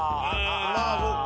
まあそうか。